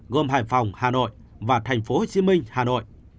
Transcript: gồm hải phòng hà nội và tp hcm hà nội